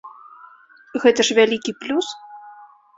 Гэта ж вялікі плюс!